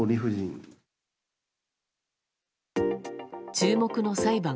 注目の裁判。